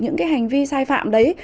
những cái hành vi sai phạm đấy